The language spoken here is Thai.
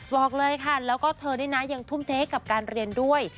บอกเลยค่ะแล้วก็เธอนี่นะยังทุ่มเทกับการเรียนด้วย